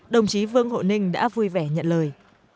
đồng chí vương hộ ninh đã vui vẻ nhận lời